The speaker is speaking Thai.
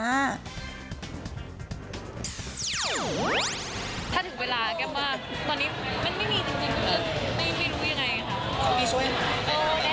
ถ้าถึงเวลาแก้มบอกตอนนี้มันไม่มีจริงหรือเปล่า